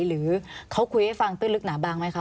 หรือเขาคุยให้ฟังตื้นลึกหนาบางไหมคะ